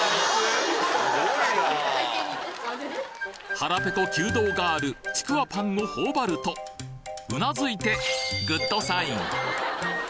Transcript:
腹ペコ弓道ガールちくわぱんを頬張るとうなずいてグッドサイン！